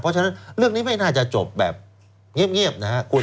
เพราะฉะนั้นเรื่องนี้ไม่น่าจะจบแบบเงียบนะครับ